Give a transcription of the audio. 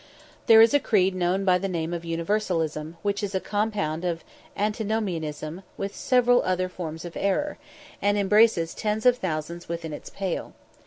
There is a creed known by the name of Universalism, which is a compound of Antinomianism with several other forms of error, and embraces tens of thousands within its pale.